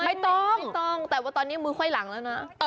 ไม่ต้องไม่ต้องแต่ว่าตอนนี้มือค่อยหลังแล้วนะเออ